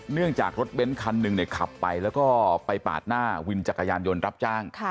เนื่องจากรถเบ้นคันหนึ่งขับไปแล้วก็ไปปาดหน้าวินจักรยานยนต์รับจ้าง